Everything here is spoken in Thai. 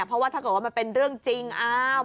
เพราะว่าถ้าเกิดว่ามันเป็นเรื่องจริง